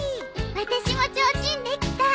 私もちょうちんできた。